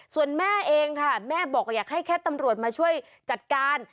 ส่วนแม่เองค่ะแม่บอกอยากให้แค่ตำรวจมาช่วยจัดการ